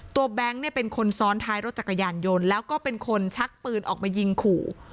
แบงค์เนี่ยเป็นคนซ้อนท้ายรถจักรยานยนต์แล้วก็เป็นคนชักปืนออกมายิงขู่